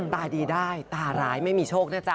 ตาดีได้ตาร้ายไม่มีโชคนะจ๊